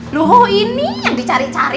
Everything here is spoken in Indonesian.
lohu ini yang dicari cari